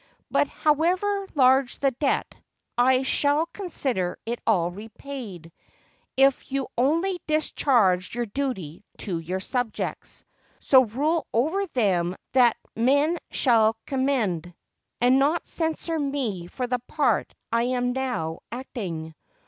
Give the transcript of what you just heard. But, however large the debt, I shall consider it all repaid, if you only discharge your duty to your subjects. So rule over them that men shall commend, and not censure me for the part I am now acting.